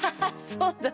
そうだね。